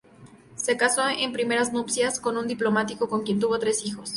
Se casó en primeras nupcias con un diplomático con quien tuvo tres hijos.